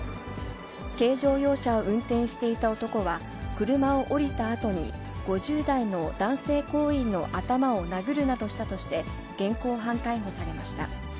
軽乗用車を運転していた男は、車を降りたあとに５０代の男性行員の頭を殴るなどしたとして、現行犯逮捕されました。